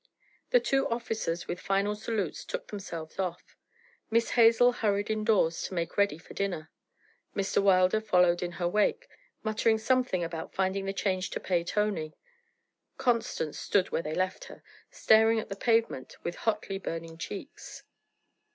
The two officers with final salutes took themselves off. Miss Hazel hurried indoors to make ready for dinner; Mr. Wilder followed in her wake, muttering something about finding the change to pay Tony. Constance stood where they left her, staring at the pavement with hotly burning cheeks.